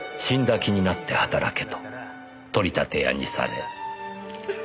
死んだ気になって働けと取り立て屋にされ。